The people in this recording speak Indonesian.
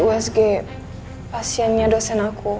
itu wsg pasiennya dosen aku